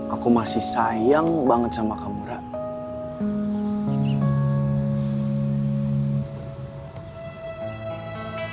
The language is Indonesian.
aku masih sayang banget sama kamu rara